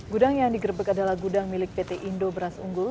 gudang yang digerebek adalah gudang milik pt indo beras unggul